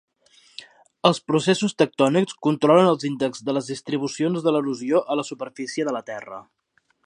Els processos tectònics controlen els índexs i les distribucions de l"erosió a la superfície de la terra.